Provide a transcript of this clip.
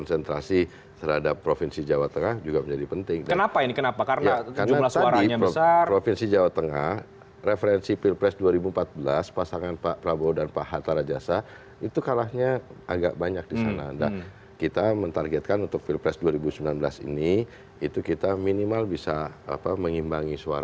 sebelumnya prabowo subianto